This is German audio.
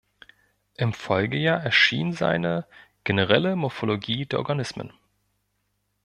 Im Folgejahr erschien seine „Generelle Morphologie der Organismen“.